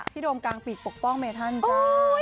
โดมกลางปีกปกป้องเมธันจ้า